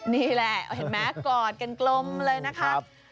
นี่แหละเห็นไหมกอดกันกลมเลยนะครับ